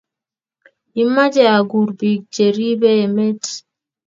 Imache aguur biik cheribe emet?